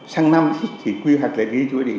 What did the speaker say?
sang năm thì quy hoạch lại ghi